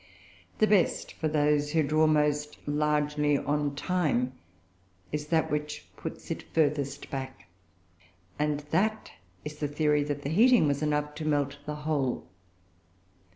The best for those who draw most largely on time is that which puts it furthest back; and that is the theory that the heating was enough to melt the whole.